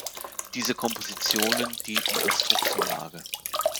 Diese Kompositionen dienten als Druckvorlage.